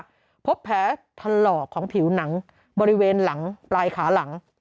พบแผลถลอกของผิวหนังบริเวณหลังปลายขาหลัง